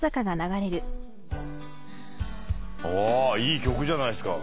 いい曲じゃないですか。